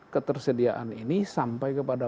ketersediaan ini sampai kepada